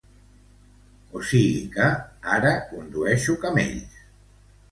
O sigui que ara condueixo camells.